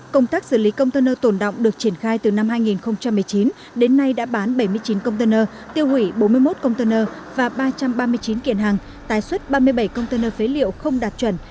công tác xử lý container tồn động được triển khai từ năm hai nghìn một mươi chín đến nay đã bán bảy mươi chín container tiêu hủy bốn mươi một container và ba trăm ba mươi chín kiện hàng tái xuất ba mươi bảy container phế liệu không đạt chuẩn